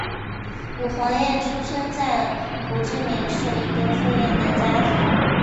武黄燕出生在胡志明市一个富裕的家庭。